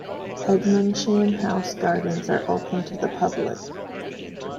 Edmonsham House Gardens are open to the public.